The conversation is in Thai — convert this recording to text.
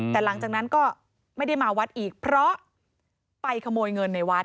แต่หลังจากนั้นก็ไม่ได้มาวัดอีกเพราะไปขโมยเงินในวัด